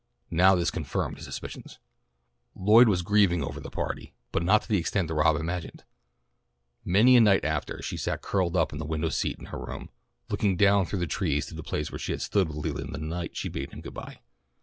Now this confirmed his suspicions. Lloyd was grieved over the parting, but not to the extent Rob imagined. Many a night after, she sat curled up on the window seat in her room, looking down through the trees to the place where she had stood with Leland the night she bade him good bye.